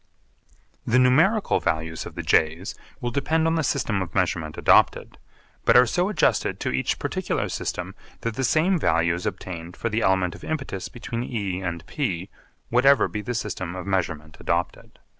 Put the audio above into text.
The numerical values of the J's will depend on the system of measurement adopted, but are so adjusted to each particular system that the same value is obtained for the element of impetus between E and P, whatever be the system of measurement adopted.